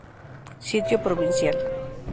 Sitio Provincial